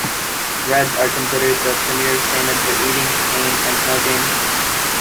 Reds are considered the premier salmon for eating, canning, and smoking.